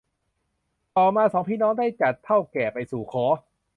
ต่อมาสองพี่น้องได้จัดเถ้าแก่ไปสู่ขอ